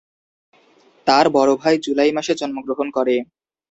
তার বড় ভাই জুলাই মাসে জন্মগ্রহণ করে।